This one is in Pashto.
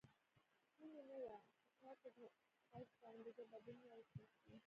شونې نه وه چې کار ته د خلکو په انګېزه بدلون راوستل شي.